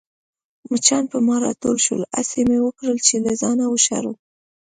مچان پر ما راټول شول، هڅه مې وکړل چي له ځانه يې وشړم.